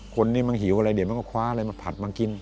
คนนี้มันหิวอะไรเดี๋ยวมันก็คว้าอะไรมาผัดมากิน